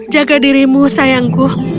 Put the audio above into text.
jaga dirimu sayangku